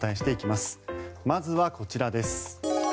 まずは、こちらです。